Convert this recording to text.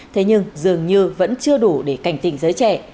thế nhưng dường như vẫn chưa đủ để cảnh tình giới trẻ